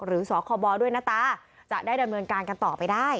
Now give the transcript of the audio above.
สคบด้วยนะตาจะได้ดำเนินการกันต่อไปได้